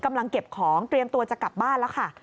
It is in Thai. กำลังเก็บของเตรียมตัวจะกลับบ้านแล้วค่ะ